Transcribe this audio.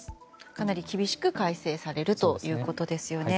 かなり厳しく改正されるということですね。